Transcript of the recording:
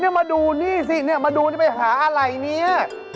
นี่มาดูนี่สิมาดูนี่ไปหาอะไรเนี่ย